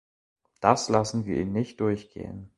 Das lassen wir ihr nicht durchgehen.